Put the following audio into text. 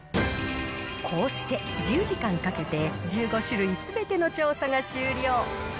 こうして１０時間かけて１５種類すべての調査が終了。